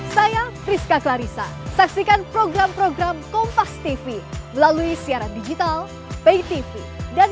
saya priska clarissa saksikan program program kompas tv melalui siaran digital pay tv dan